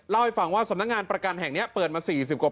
เล่าให้ฟังว่าสำนักงานประกันแห่งนี้เปิดมา๔๐กว่า